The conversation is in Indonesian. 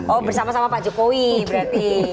oh bersama sama pak jokowi berarti